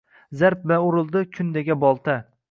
Zarb bilan urildi kundaga bolta —